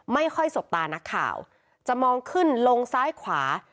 ไม่ค่อยสบตานักข่าวจะมองขึ้นลงซ้ายขวา